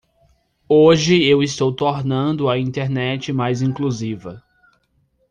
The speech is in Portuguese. Hoje eu estou tornando a Internet mais inclusiva.